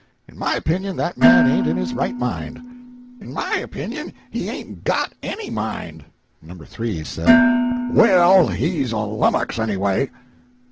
In my opinion that man ain't in his right mind." "In my opinion he hain't got any mind." No. 3 said: "Well, he's a lummox, anyway."